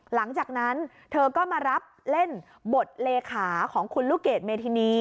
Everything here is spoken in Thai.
หลังจากนั้นเธอก็มารับเล่นบทเลขาของคุณลูกเกดเมธินี